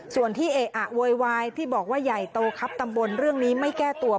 ส่วนที่เอะอะโวยวายที่บอกว่าใหญ่โตครับตำบลเรื่องนี้ไม่แก้ตัว